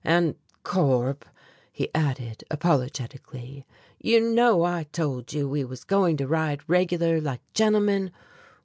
And, Corp," he added apologetically, "you know I told you we was going to ride regular like gentlemen?